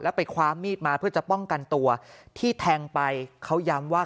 ไปคว้ามีดมาเพื่อจะป้องกันตัวที่แทงไปเขาย้ำว่า